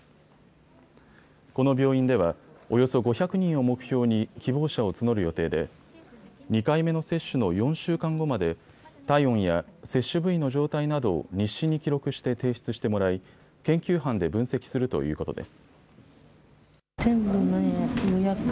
この病院では、およそ５００人を目標に希望者を募る予定で２回目の接種の４週間後まで体温や、接種部位の状態などを日誌に記録して提出してもらい研究班で分析するということです。